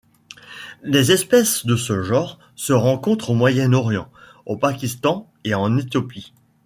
Les espèces de ce genre se rencontrent au Moyen-Orient, au Pakistan et en Éthiopie.